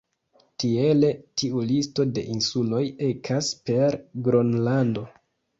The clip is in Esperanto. Tiele tiu listo de insuloj ekas per Gronlando.